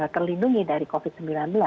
terlindungi dari covid sembilan belas